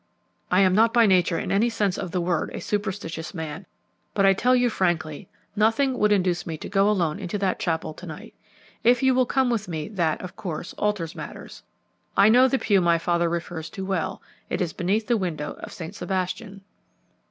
"I am not by nature in any sense of the word a superstitious man, but I tell you frankly nothing would induce me to go alone into that chapel to night; if you come with me, that, of course, alters matters. I know the pew my father refers to well; it is beneath the window of St. Sebastian."